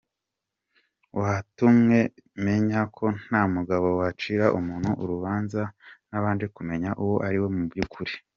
Watumye menya ko ntagomba gucira umuntu urubanza ntabanje kumenya uwo ariwe mu by’ukuri.